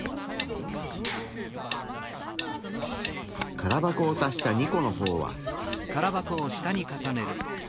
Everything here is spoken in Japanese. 空箱を足した２個の方は。